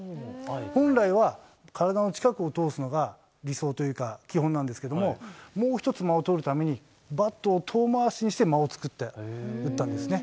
本来は体の近くを通すのが理想というか、基本なんですけども、もう一つ間を取るために、バットを遠回しにして間を作って打ったんですね。